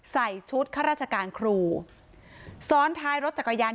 ใส่ชุดข้าราชการครูซ้อนท้ายรถจักรยาน